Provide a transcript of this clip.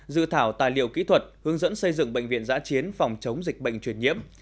dự thảo tài liệu kỹ thuật hướng dẫn xây dựng bệnh viện giã chiến phòng chống dịch bệnh truyền nhiễm